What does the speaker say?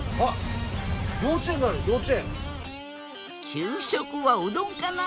給食はうどんかな？